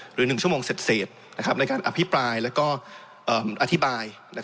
หรือ๑ชั่วโมงเศษในการอภิปรายและอธิบาย